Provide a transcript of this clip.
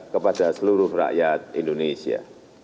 kepada seluruh rakyat indonesia